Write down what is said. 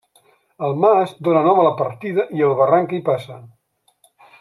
El mas dóna nom a la partida i al barranc que hi passa.